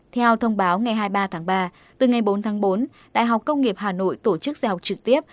theo thông báo ngày hai mươi ba tháng ba từ ngày bốn tháng bốn đại học công nghiệp hà nội tổ chức dạy học trực tiếp